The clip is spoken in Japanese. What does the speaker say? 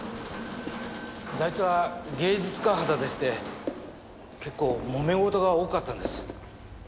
財津は芸術家肌でして結構もめ事が多かったんです。